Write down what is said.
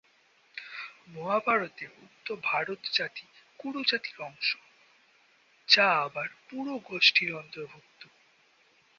মহাভারতে উক্ত ভারত জাতি কুরু জাতির অংশ, যা আবার পুরু গোষ্ঠীর অন্তর্ভুক্ত।